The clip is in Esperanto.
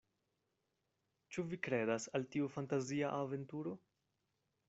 Ĉu vi kredas al tiu fantazia aventuro?